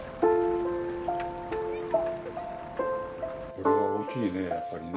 これは大きいねやっぱりね。